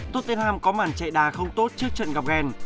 tottenham có màn chạy đà không tốt trước trận gặp ghen